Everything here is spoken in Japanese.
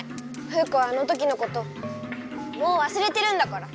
フウカはあの時のこともうわすれてるんだから。